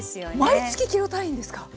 毎月キロ単位ですか？